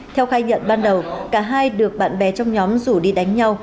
theo khai nhận ban đầu cả hai được bạn bè trong nhóm rủ đi đánh nhau